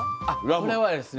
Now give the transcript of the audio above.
これはですね